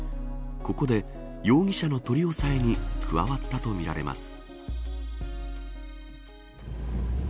ここで、容疑者の取り押さえに加わったとみられます。